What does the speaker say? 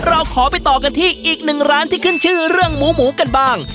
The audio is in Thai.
เราขอไปต่อกันที่อีกหนึ่งร้านที่ขึ้นชื่อเรื่องหมูหมูกันบ้าง